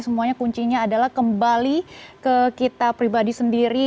semuanya kuncinya adalah kembali ke kita pribadi sendiri